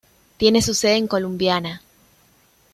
Tiene su sede en Columbiana.